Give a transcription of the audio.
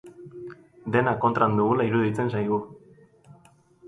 Dena kontra dugula iruditzen zaigu.